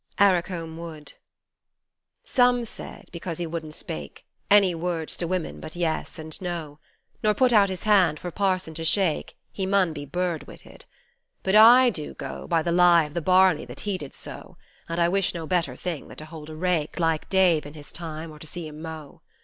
54 ARRACOMBE WOOD SOME said, because he wud'n spaik Any words to women but Yes and No, Nor put out his hand for Parson to shake He mun be bird witted. But I do go By the lie of the barley that he did sow, And I wish no better thing than to hold a rake Like Dave, in his time, or to see him mow.